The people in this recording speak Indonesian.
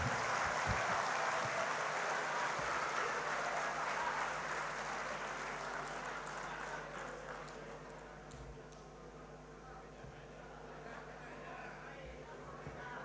tidak ada masalah